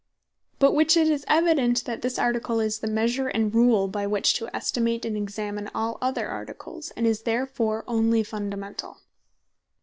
By which it is evident, that this Article, is the measure, and rule, by which to estimate, and examine all other Articles; and is therefore onely Fundamentall.